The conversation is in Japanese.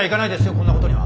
こんなことには！